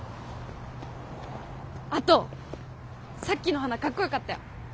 あとさっきの花かっこよかったよ。